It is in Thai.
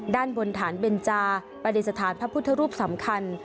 ด้านบนฐานเบนจาปฏิสถานพระพุทธรูปสำคัญ